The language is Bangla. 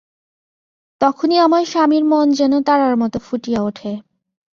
তখনি আমার স্বামীর মন যেন তারার মতো ফুটিয়া উঠে।